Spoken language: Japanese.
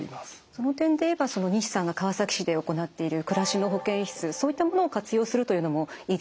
その点で言えば西さんが川崎市で行っている暮らしの保健室そういったものを活用するというのもいいですね。